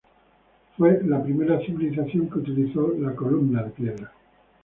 Fue la primera civilización que utilizó columnas de piedra.